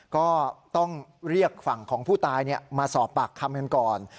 ก็ต้องเรียกฝั่งของผู้ตายมาสอบปากคำกันก่อน